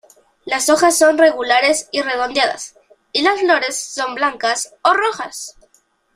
Las hojas son regulares y redondeadas, y las flores son blancas o rojas.